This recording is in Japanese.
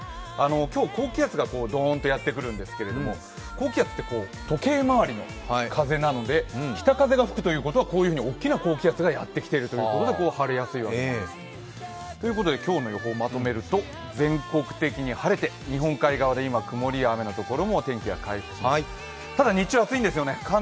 今日、高気圧がドーンとやってくるんですが、高気圧って時計回りの風なので北風が吹くということは、こういうふうに大きな高気圧がやってきていて晴れやすいわけなんですということで今日の予報、まとめると全国的に晴れて日本海側で今、曇りや雨のところも天気が回復します。